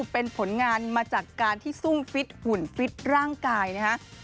เป็นผลงานมาจากการที่ซุ่มฟิตหุ่นฟิตร่างกายนะฮะ